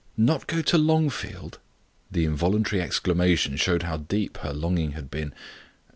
"Not go to Longfield!" The involuntary exclamation showed how deep her longing had been.